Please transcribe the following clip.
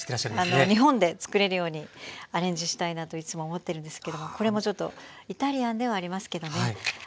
日本でつくれるようにアレンジしたいなといつも思ってるんですけどもこれもちょっとイタリアンではありますけどね。